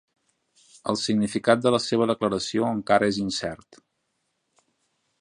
El significat de la seva declaració encara és incert.